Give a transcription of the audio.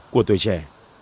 của tuổi trẻ